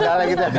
ya udah lah